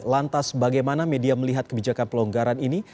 lantas bagaimana media melihat kebijakan pelonggaran ini